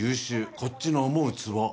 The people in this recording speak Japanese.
こっちの思うツボ！